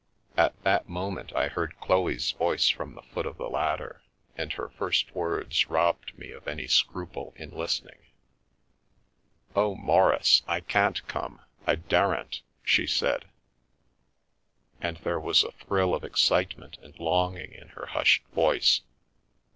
At that moment I heard Chloe's voice from the foot of the ladder, and her first words robbed me of any scruple in listening. " Oh, Maurice, I can't come — I daren't," she said, and there was a thrill of excitement and longing in her hushed voice.